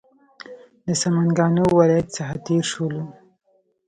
د سمنګانو ولایت څخه تېر شولو.